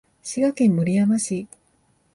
滋賀県守山市